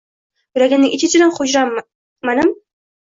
Yuragimning ich-ichida hujram manim